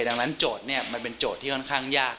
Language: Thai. ดังนั้นโจทย์มันเป็นโจทย์ที่ค่อนข้างยาก